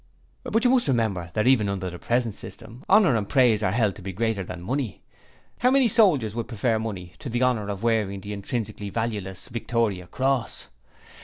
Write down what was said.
'But you must remember that even under the present system, Honour and Praise are held to be greater than money. How many soldiers would prefer money to the honour of wearing the intrinsically valueless Victoria Cross?